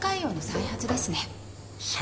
再発？